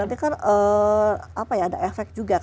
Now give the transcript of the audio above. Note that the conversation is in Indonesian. ya nanti kan apa ya ada efek juga